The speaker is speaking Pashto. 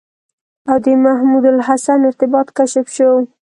او د محمودالحسن ارتباط کشف شو.